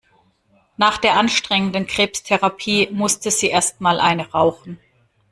Nach der anstrengenden Krebstherapie musste sie erst mal eine rauchen.